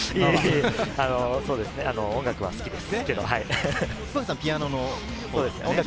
音楽は好きです。